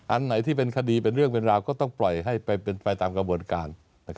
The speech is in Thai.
อันไหนที่เป็นคดีเป็นเรื่องเป็นราวก็ต้องปล่อยให้เป็นไปตามกระบวนการ